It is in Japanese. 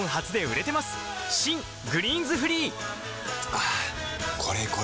はぁこれこれ！